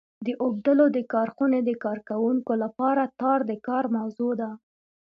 د اوبدلو د کارخونې د کارکوونکو لپاره تار د کار موضوع ده.